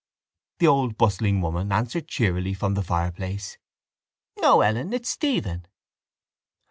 The old bustling woman answered cheerily from the fireplace: —No, Ellen, it's Stephen.